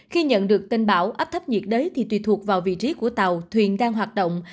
khi nhận được tin báo áp thấp nhiệt đới thì tùy thuộc vào vị trí của tàu thuyền đang hoạt động